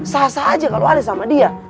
sah sah aja kalau ada sama dia